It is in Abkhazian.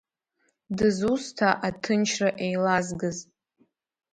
Дызусҭа аҭынчра еилазгаз?